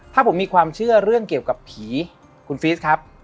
ถ้าผมมีความเชื่อเรื่องเกี่ยวกับผีคุณฟีสครับ